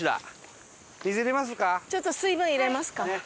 ちょっと水分入れますか。